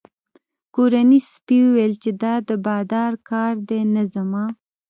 کورني سپي وویل چې دا د بادار کار دی نه زما.